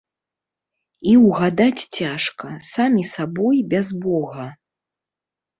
І ўгадаць цяжка, самі сабой без бога.